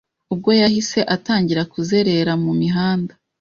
ubwo yahise atangira kuzerera mu mihanda